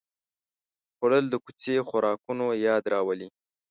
خوړل د کوڅې خوراکونو یاد راولي